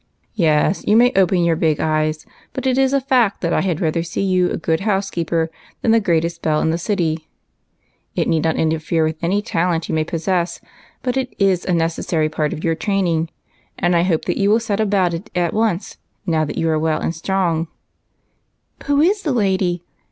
Yes, you may open your big eyes ; but it is a fact that I had rather see you a good housekeeper than the great est belle in the city. It need not interfere with any talent you may possess, but it is a necessary part of your training, and I hope that you will set about it at once, now that you are well and strong " "Who is the lady?"